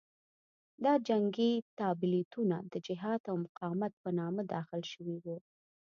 دا جنګي تابلیتونه د جهاد او مقاومت په نامه داخل شوي وو.